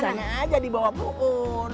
disana aja di bawah buur